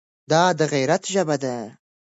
دا د غیرت ژبه ده.